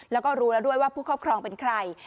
แล้วก็รู้แล้วด้วยว่าผู้ครอบครองเป็นใคร